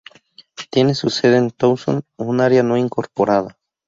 Tiene su sede en Towson, un área no incorporada.